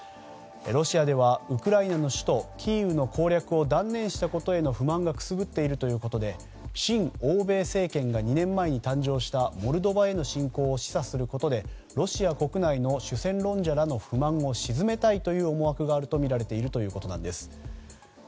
ロシアではウクライナの首都キーウの攻略を断念したことへの不満がくすぶっているということで親欧米政権が２年前に誕生したモルドバへの侵攻を示唆することでロシア国内の主戦論者らの不満を鎮めたいという思惑がみられているということです。